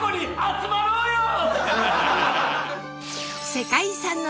世界遺産の旅